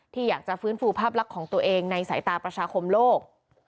อยากจะฟื้นฟูภาพลักษณ์ของตัวเองในสายตาประชาคมโลก